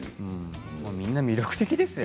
みんな魅力的ですよ